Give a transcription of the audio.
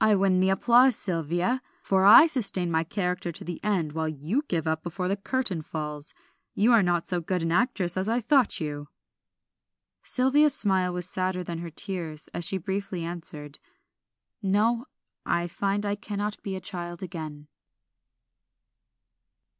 "I win the applause, Sylvia; for I sustain my character to the end, while you give up before the curtain falls. You are not so good an actress as I thought you." Sylvia's smile was sadder than her tears as she briefly answered "No, I find I cannot be a child again."